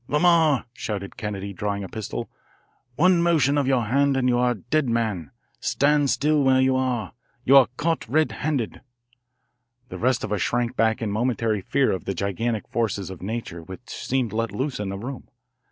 "Lamar," shouted Kennedy, drawing a pistol, "one motion of your hand and you are a dead man. Stand still where you are. You are caught red handed." The rest of us shrank back in momentary fear of the gigantic forces of nature which seemed let loose in the room.